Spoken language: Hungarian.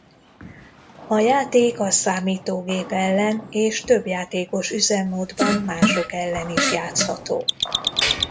A játék a számítógép ellen és többjátékos üzemmódban mások ellen is játszható.